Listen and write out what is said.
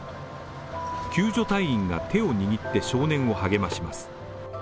救助隊員が手を握って少年を励まします。